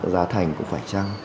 giá thành cũng phải trăng